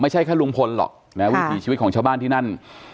ไม่ใช่แค่ลุงพลหรอกนะวิถีชีวิตของชาวบ้านที่นั่น